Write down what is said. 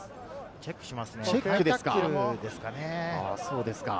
チェックしますね。